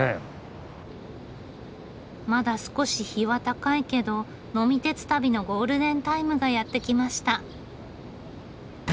まだ少し日は高いけど呑み鉄旅のゴールデンタイムがやってきました。